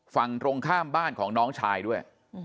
ฝั่งตรงข้ามบ้านของน้องชายด้วย